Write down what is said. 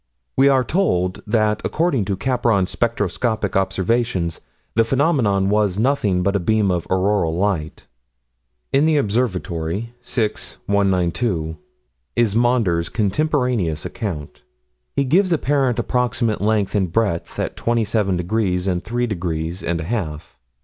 We are told that according to Capron's spectroscopic observations the phenomenon was nothing but a beam of auroral light. In the Observatory, 6 192, is Maunder's contemporaneous account. He gives apparent approximate length and breadth at twenty seven degrees and three degrees and a half.